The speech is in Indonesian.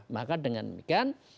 maka dengan demikian